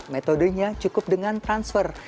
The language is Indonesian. metodenya cukup dengan transfer